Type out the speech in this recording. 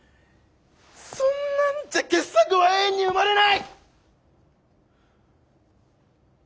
そんなんじゃ傑作は永遠に生まれない！